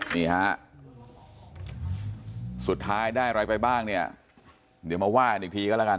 นี่ฮะสุดท้ายได้อะไรไปบ้างเนี่ยเดี๋ยวมาว่ากันอีกทีก็แล้วกัน